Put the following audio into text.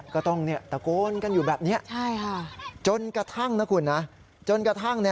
ก็ต้องตะโกนกันอยู่แบบนี้จนกระทั่งนะคุณนะจนกระทั่ง